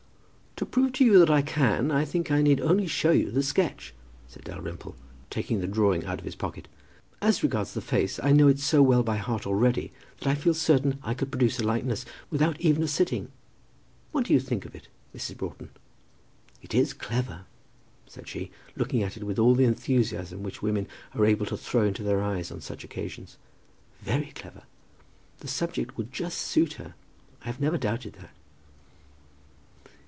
"To prove to you that I can, I think I need only show you the sketch," said Dalrymple, taking the drawing out of his pocket. "As regards the face, I know it so well by heart already, that I feel certain I could produce a likeness without even a sitting. What do you think of it, Mrs. Broughton?" [Illustration: "What do you think of it, Mrs. Broughton?"] "It is clever," said she, looking at it with all that enthusiasm which women are able to throw into their eyes on such occasions; "very clever. The subject would just suit her. I have never doubted that."